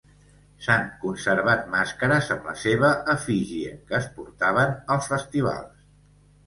S'han conservat màscares amb la seva efígie que es portaven als festivals.